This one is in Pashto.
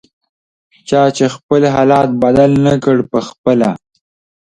چا چې خپل حالت بدل نکړ پخپله